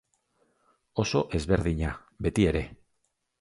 Oso ezberdina, beti ere.